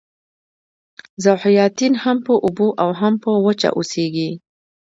ذوحیاتین هم په اوبو او هم په وچه اوسیږي